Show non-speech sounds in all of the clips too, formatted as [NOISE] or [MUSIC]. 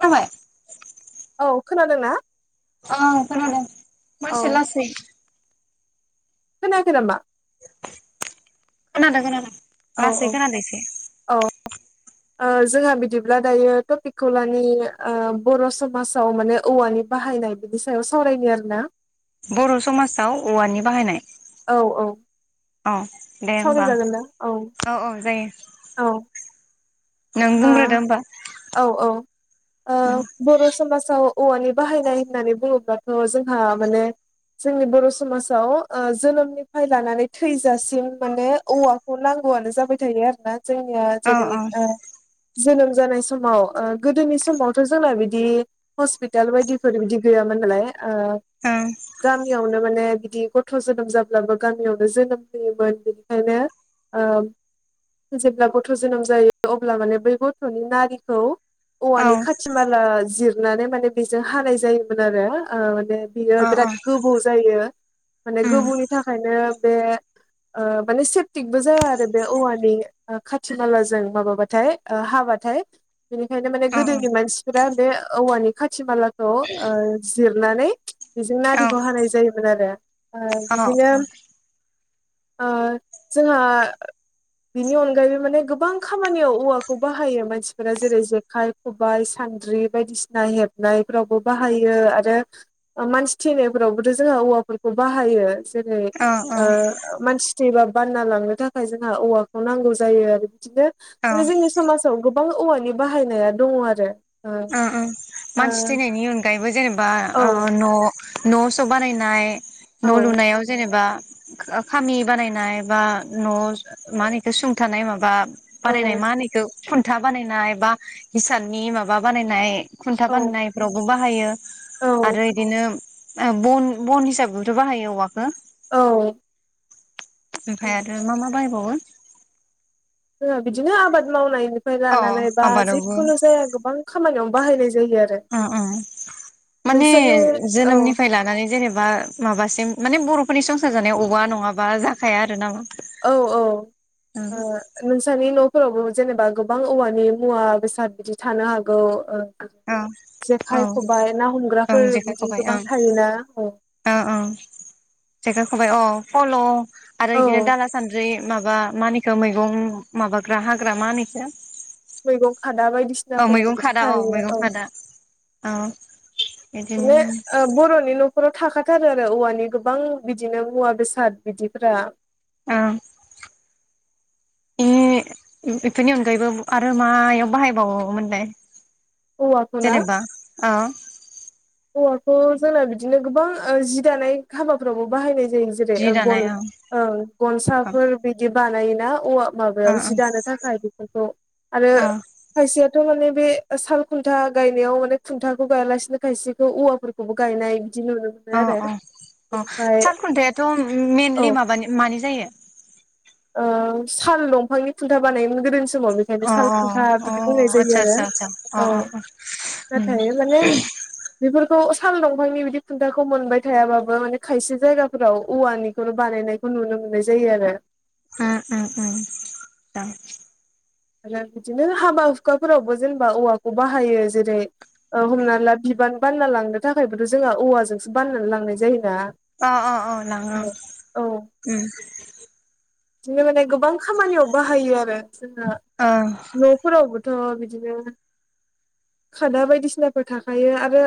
खोनाबाय औ खोनादों ना औ खोनादों मासे लासै खोनायाखै नामा खोनादों खोनादों औ लासै औ खोनदो एसे औ ओ जोंहा बिदिब्ला दायो टपिकखौलानि ओ बर समाजाव माने औवानि बाहायनाय बिनि सायाव सावरायनो आरोना बर समाजाव औवानि बाहायनाय औ औ औ दे होमबा सावरायजागोन ना औ औ जायो औ नों ओ बुंग्रोदो होमबा औ औ ओ बर समाजाव औवानि बाहायनाय होननानै बुङोब्लाथ जोंहा माने जोंनि बर समाजाव ओ जोनोमनिफ्राय लानानै थैजासिम माने औवाखौ नांगौआनो जाबाय थायो आरोना जोंनिया औ जेरै औ ओ जोनोम जानाय समाव ओ गोदोनि समावथ जोंना बिदि हस्पिटाल बायदिफोर बिदि गैयामोन नालाय ओ ओं गामियावनो माने बिदि गथ जोनोम जाब्लाबो गामियावनो जोनोम होयोमोन बिनिखायनो ओ जेब्ला गथ जोनोम जायो अ ब्ला माने बै गथनि नारिखौ औ औवानि खाथि माला जिर नानै माने बेजों हानाय जायोमोन आरो ओ माने बियो औ औ बिराद गोबौ जायो माने उम गोबौनि थाखायनो बे ओ मान सेफटिकबो जाया आरो बे औवानि ओ खाथि मालाजों माबाबा बाथाइ ओ हाबाथाय बेनिखायनो माने औ गोदोनि मानसि फोरा बे औवानि खाथि मालाखौ ओ जिरनानै बेजों औ नारिखौ हानाय जायो मोन आरो ओ औ बिदिनो ओ जोंहा बिनि अनगायैबो माने गोबां खामानियाव औवाखौ बाहायो मानसिफोरा जेरै जेखाइ खबाइ सान्द्रि बायदिसिना हेबनायफोरावबो बाहायो आरो मानसि थैनायफोरावबोथ जोंहा औवाफोरखौ बाहायो जेरै औ ओ औ मानसि मानसि थैबा बानना लांनो थाखाय जोंहा औवाखौ नांगौ जायो आरो बिदिनो औ जोंनि समाजाव गो बां औवानि बाहायनाया दङ आरो ओम ओम मानसि थैनायनि अनगायै बो जेने बा ओ न न स बानायनाय न औ लुनायाव जेनेबा खामि बानायनाय बा न माहोनोबेखौ सुंथानाय माबा औ बानायनाय मा ओनो इखौ खुन्था बानायनाय बा हिसाननि माब बा-बानायनाय खुन्था औ फामनायफ्रावबो बाहायो औ आरो इदिनो बन बन हिसाबैबोथ' बाहायो औवाखो औ ओमफ्राय आरो मा मा बाहाय [UNINTELLIGIBLE] बिदिनो आबाद मावनाय निफ्राय अ लानानै बा आबादावबो जिखुनु जाया गोबां खामानियावनो बाहायनाय जायो आरो ओ ओं माने नोंसोरनि औ जोनोमनिफ्राय लानानै जेनेबा माबासिम माने बरफोरनि संसार जानायाव औवा नङाबा जाखाया आरो नाा औ औ ओ नोंसानि न फोरावबो जेनेबा गोबां औवानि मुवा बेसाद बिदि थानो हागौ ओं औ जेखाइ खबाय ना ओं हमग्राफोर जेखाइ बिदि खबाइ गोबां ओं थायोना औ ओं हेल आरो औ इदिनो दाला सान्द्रि माबा मानिखो मैगं माबाग्रा हाग्रा मानोइखो नंगौ आदा बायदिसिनाफोरबो थायो मैगं औ खादा औ बिदिनो माने बरनि नखर नखराव थाखाथारो आरो औवानि गोबां बिदिनो मुवा बेसाद बिदिफोरा ओं बे बेफोरनि अनगायैबो आरो मायाव बाहायबावोमोनलाय औवाखौ ना अ औवाखौ जोंना बिदिनो गोबां जि दानाय हाबाफ्रावबो बाहायनाय जायो जेरै जि दानाय औ औ गन-गनसाफोर बिदि बानाय जायो ना औवा माबायाव जि औ दानो थाखाय बेफोरखौ आरो खायसेयाथ माने बे साल खुन्था गायनायाव माने खुन्थाखौ गायालासिनो खायसे थ औवाफोरखौबो गायनाय अ आरो अ अ बेनिफ्राय सालखुन्थायाथ मइेनलि माबानि मानि जायो औ साल दंफांनि खुनथा बानायोमोन गोदोनि सम अ-अ-अ आरो आतसा-आतसा-आसा औ नाथाय माने अ-अ-अ बेफोरखौ साल दंफांनि बिदि खुन्थाखौ मोनबाय थायाबाबो माने खायसे जायगाफोराव औवानिखौनो बानायनायखौ नुनो मोननाय जायो आरो उ उ उ ओं दां आरो बिदिनो हाबा-हुखाफोरावबो जेनेबा औवाखौ बाहायो। जेरै हमना ला बिबान बानना लांनो थाखायबोथ जोंहा औवाजोंसो बानना लांनाय जायोना अ अ लाङो औ उम बिदिनो माने गोबां खामानियाव बाहायो आरो जोंहा ओं न'फोरावबो थ' बिदिनो खादा बायदिसिनाफोर थाखायो आरो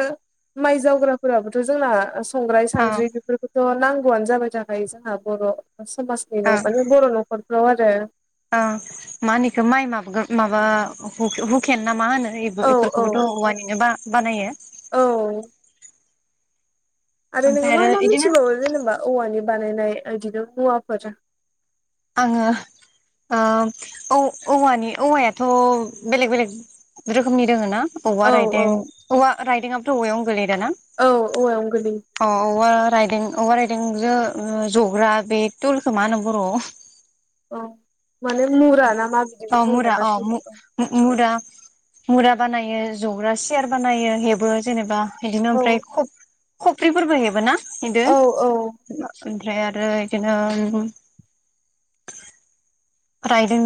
माइ जावग्राफोराबोथ' जोंना संग्राय, औ ओं सानद्रि बेफोरखौथ' नां गौ आंनो जाबाय थाखायो जोंहा बर' समाजनि माने बर' न'खर फोराव आरो ओ मा होनोखौ माइ माबाग्रा माबा हुखेन ना मा होनो? इबो औ औ इफोरखौबोथ औवानिनो बा बानायो। औ आरो नोङो ओमफ्राय मा मा इदिनो मिथिबावो जेनेबा औवानि बानायनाय इदिनो मुवाफोर? आङो ओ औव औवानि औवायाथ' बेलेग बेलेग रोखोमनि दोङो ना? औवा औ औ रायदें औवा राइदेंआबोथ' औवायावनो गोलै योना? औ औवायावनो गोलैयो अ औवा राइदें औवा राइदेंजो जग्रा बे तुलखौ‌ मा होनो‌ बर' आव? औ माने मुरा ना मा अ बिदिबो बुङो मुरा नामा अ [UNINTELLIGIBLE] मुरा मुरा बानायो, जग्रा सियार बानायो हेबो जेनेबा इदिनो औ ओमफ्राय खब खफ्रिफोरबो हेबो ना इदो? औ औ ओमफ्राय आरो इदिनो रायदों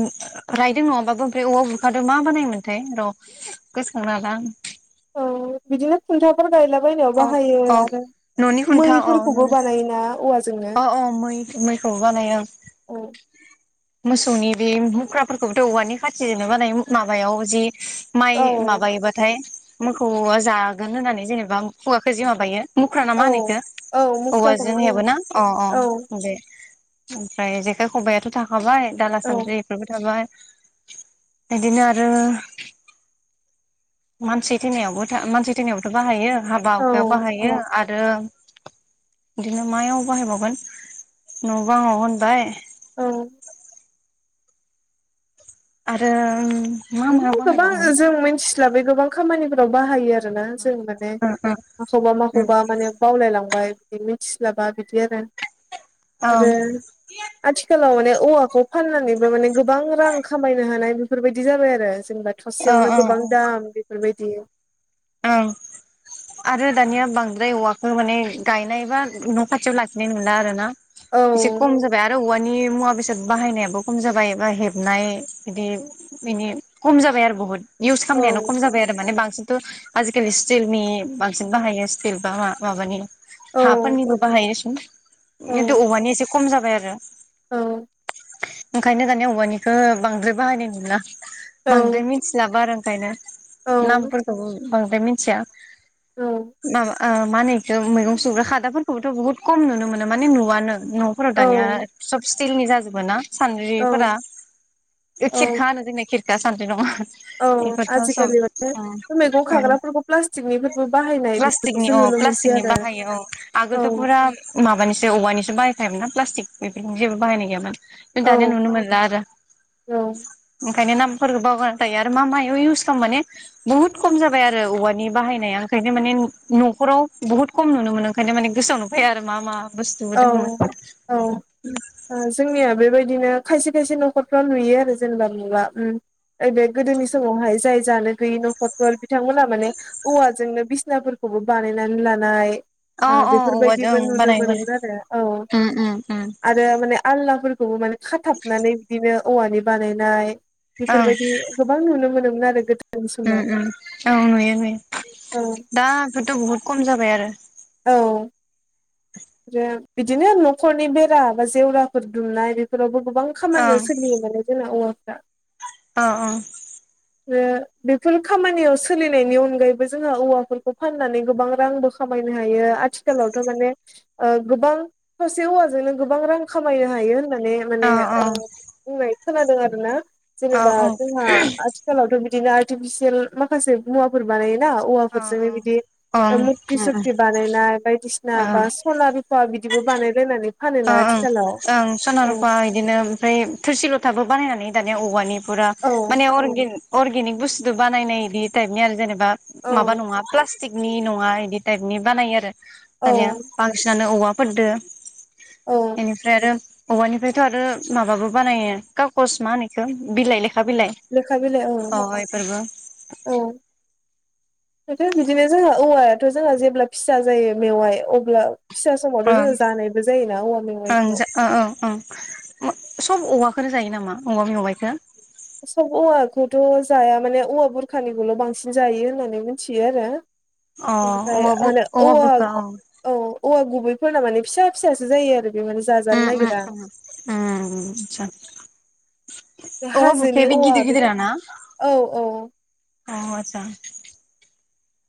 रायदों नङाबाबो ओमफ्राय औवा बुरखादो मा बानायोमोनथाय? र गोसोखांनो हाला आं। औ बिदिनो खुन्थाफोर गायला बनायाव आं बाहायो अ अ आरो न'नि मै खुन्था अ फोरखौबो बानायोना औवा जों अ अ मै मैखौबो बानायो ओं। मोसौनि बे मुख्राफोरखौबोथ औवानि खाथिजोंनो बानायो माबायाव जि माइ औ औ माबायोबाथाय मोखौआ जागोन होननानै जेनेबा खुगाखौ जे माबायो मुख्राना औ मा होनो इखो औ मुख्राखौनो औवाजोंनो बुङो हेबोना? अ औ अ दे। ओमफ्राय जेखाय खबायाथ था। बाय दाला औ सांन्द्रि बेबो थाबाय। बिदिनो आरो। मानसि थैनायावबो थ मानसि थैनायावबोथ बाहायो। हाबा हुखायाव औ बाहायो आरो। आरो बिदिनो मायाव बाहायबावगोन न बाङाव होनबाय। औ। आरो। मा मायाव बिदिनो गोबां बाहायबावो जों मिथिलाबाय। गोबां खामानिफोराव बाहायो आरो। आरोना जों माने ओं माखौबा ओं माखौबा माने बावलायलांबाय। बे मिथिस्लाबा बिदि आरो। ओं आरो आथिखालाव माने। औवाखौ फाननानैबो माने गोबां रां खामायनो हानाय बेफोरबायदि। दि जाबाय आरो। जेनेबा ओं थसेयावनो ओं गोबां दाम बेफोरबायदि। द। ओं आरो दानिया बांद्राय औवाखौ माने गायनाय बा न खाथियाव लाखिनाय नुला आरो ना। एसे खुम औ जाबाय आरो औवानि। बिनि मुवा बेसाद बाहायनायाबो खम जाबाय बा हेबनाय बिदि बिनि खम जाबाय आरो बहुद। इउस खालामनायानो खम जाय आरो माने बांसिन। थ। आजिखालि स्टिलनि बांसिन बाहायो स्टिल बा म माबानि। औ हाफोरनिबो बाहायो औ खिन्थु औवानि। खम जाबाय आरो। औ। ओंखायनो दानि औवानिखौ बांद्राय बाहायनाय नुला। औ बांद्राय मिथिलाबो आरो। ओंखायनो। नामफोरखौबो। बांद्राय मिथिया। औ। माबा ओ मा होनो एखौ मैगं संग्रा खादाफोरखौबोथ बुहुत खम नुनो मोनो माने नुवानो। नफोराव औ दानिया [UNINTELLIGIBLE] स्थिलनि जाजोबो ना औ सानद्रिफोरा ओ औ खिरखा होनो जोंना खिर सान्द्रि नङा औ इफोरथ' सब आजिखालि माने बे मैगं उम औ खाग्राफोरखौ प्लास्टिकनिफोरबो बाहायनाय प्लास्टिकनि बेफोरखौसो अ नुनो मोनसै प्लास्टिकनि आरो बाहायो अ औ आगोलथ' फुरा माबानिसो औवानिसो बाहायखायोमोन ना प्लास्टिक बेफोरनि जेबो बाहायनाय गैयामोन जों औ दानिया नुनो मोनला आरो औ उम ओंखायनो नामफोरखौ बावगारना थायो आरो मा मायाव इउस खामो माने बुहुत खम जाबाय आरो औवानि बाहायनाया ओंखायनो माने नख'राव बहुत खम नुनो मोनो ओंखायनो माने गोसोआवनो फैया आरो मा मा बुस्थुबो औ दंमोन औ ओ जोंनिया बेबायदिनो खायसे खायसे नख'रफ्राव नुयो आरो जेनेबा नुला ओम ओइबे गोदोनि समावहाय जाय जानो गैयि नखरफोर बिथांमोनहा माने औवाजोंनो बिसिना फोरखौबो बानायनानै लानाय अ ओ अ बेफोरबायदिबो औवाजों नुनो बानायोमोन मोनोमोन औ आरो माने आलनाफोरखौबो माने खाथाबनानै बिदिनो औवानि बानायनाय ओं बेफोरबायदि गोबां नुनो मोनो न आरो गोदोनि समाव उम उम औ नुयो नुयो ओं दाफोरथ' बुहुद खम जाबाय आरो औ [UNINTELLIGIBLE] बिदिनो नख'रनि बेरा बा जेवराफोर दुमनाय बेफोरावबो गोबां खामानियाव सोलियो माने जोंना औवा [INAUDIBLE] अ अ बेफोर खामानियाव सोलिनायनि अनगायैबो जोंङो औवाफोरखौ फाननानै गोबां रांबो खामायनो हायो आथिखालावथ' माने ओ गोबां थसे औवाजोंनो गोबां रां खामायनो हायो माने माने औ ओ बुंनाय खो खोनादों आरोना जोङो औ दा औ जोंहा आथिखालाव थ' बिद दिनो आर्टिफिसियेल माखासे मुवाफोर बानायो ना औ औवाफोरजोंनो बिदि ओ ओं मुकति सुकति बानायनाय बायदिसिना ओं बा सना रुफा बिद बिदिबो बानाय लायनानै अ ओं ओं सना रुफा इदिनो ओमफ्राय थोरसि लथाबो बानायनानै दानिया औवानि फुरा औ माने अरगे अर्गेनिक बुस्थुथ बानायनाय इदि टाइपनि आरो जेने बा औ माबा नङा प्लास टिकनि नङा इदि टाइपनि बानायो आरो दानिया औ बांसिनानो औवा फोरदो। औ बेनिफ्राय आरो औवानिफ्रायथ आरो माबाबो बानायो कागस मा होनो इखो बिलाइ लै। लेखा बिलाइ औ औ। [UNINTELLIGIBLE] बिदिनो जोंहा औवायाथ जोंहा जेब्ला फिसा जायो मेवाय अब्ला। फिसा समावथ ओं जोङो जानायबो जायोना औवा ओं मेवाइखौ। जा ओ ओ ओं सब औवाखोनो जायो नामा औवा मेवाइखो। सब औवाखौथ जाया माने औवा बुरखानिखौल बांसिन जायो होननानै मिथियो आरो अ इनिफाय औवा बु [UNINTELLIGIBLE] औवा बुरखा औ उम औ। औवा गुबैफोरना माने फिसा फिसासो जायो आरो बे माने जाजानो उम नागिरा उम उम [UNINTELLIGIBLE] औवा हाजोनि बुरखाया बि औवा गिदिर गिदिर बेफोर ना औ औ अ आदसा।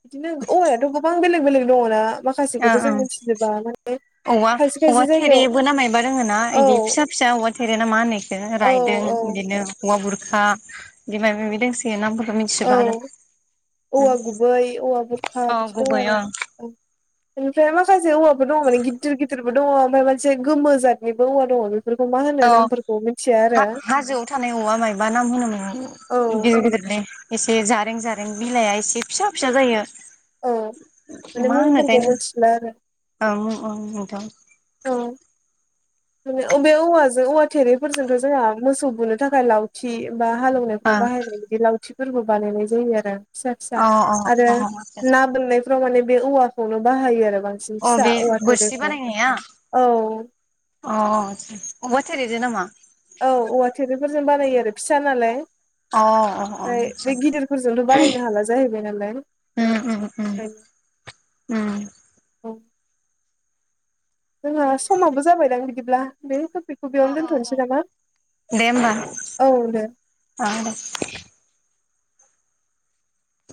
बिदिनो औवायाथ गोबां बेलेग बेलेग दङना। माखासेखौथ ओं जों ओं मिथिजोबा माने। औवा खायसे औवा खायसे जायगायाव थेरेबो ना मायबा रोङो ना औ इदि फिसा फिसा औवा थेरे ना मा होनो इखो औ रायदों औ बिदिनो। औवा बुरखा इदि माबा माबि दोंसोयो नाम औ औवा गुबै औवा बुरखा अ बिदि दं गुबै आरो ओं औ बेनिफ्राय माखा से औवाबो दङ माने गिदिर गिदिरबो दङ ओमफ्राय मोनसे गोमो जादनिबो औवा दङ। बेफोरखौ मा होनो अ नामफोरखौ मिथिया हा आरो - हाजोआव थानाय औवा मायबा नाम होनोमोन गिदिर गिदिरलै। एसे जारें जारें बिलाया एसे फिसा फिसा जायो। औ माने मा मुंफोरखौ होनोथाय मिथिला आरो औ औ नोंथां। औ माने अबे औवाजों औवा थेरैफोरजोंथ जोंहा मोसौ बुनो थाखाय लावथि। बा अ हालेवनायफ्राव बाहायनाय बिदि लावथि फोरबो बानायनाय जायो आरो फिसा फिसा अ आरो अ ना बोननायफ्राव माने बे औवा खौनो बाहायो आरो बांसिन अ फिसा बे औवा बोरसि थेरेखौ बानायनाया। औ अ ब [UNINTELLIGIBLE] जेनामा? औ औवा थेरिफोरजों बानायो आरो फिसा नालाय। अ अ ओमफ्राय आतसा बे गिदिरफोरजोंनोथ' बानायानो हाला जाहैबाय नालाय उम उम उम उम औ। जोंहा समाबो जाबायदां बिदिब्ला बे बेखौ अ बेयावनो अ अ दोनथ'नोसै नामा दे होमबा औ दे। अ दे